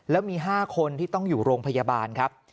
แล้วมี๕คนที่ต้องอยู่โรงพยาบาลครับ